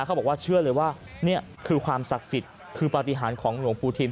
เขาบอกว่าเชื่อเลยว่านี่คือความศักดิ์สิทธิ์คือปฏิหารของหลวงปู่ทิน